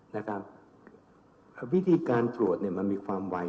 นะครับความวิดีการตรวจเนี่ยมันมีความวาย